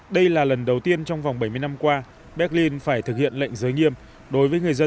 đây là lần đầu tiên trong vòng bảy mươi năm qua berlin phải thực hiện lệnh giới nghiêm đối với người dân